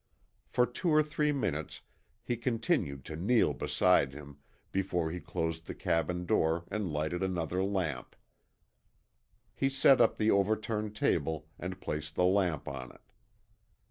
For two or three minutes he continued to kneel beside him before he closed the cabin door and lighted another lamp. He set up the overturned table and placed the lamp on it.